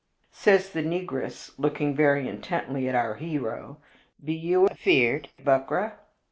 Says the negress, looking very intently at our hero, "Be you afeared, Buckra?"